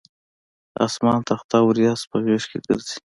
اسمان تخته اوریځ په غیږ ګرځي